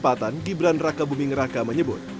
pada kesempatan gibran raka buming raka menyebut